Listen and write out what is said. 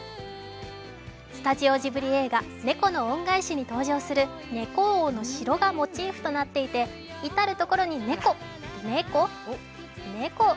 スタジオジブリ映画「猫の恩返し」に登場する猫王の城がモチーフになっていて、至る所に、猫、猫、猫。